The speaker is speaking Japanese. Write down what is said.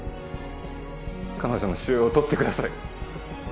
彼女の腫瘍をとってください